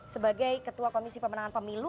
sebagai ketua komisi pemenangan pemilu